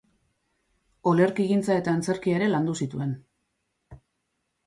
Olerkigintza eta antzerkia ere landu zituen.